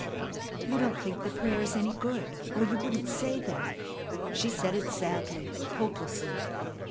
"You don't think the prayer is any good, or you wouldn't say that." She said it sadly, hopelessly.